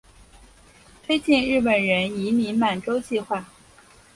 推进日本人移民满洲计划。